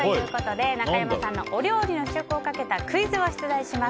中山さんのお料理の試食をかけたクイズを出題します。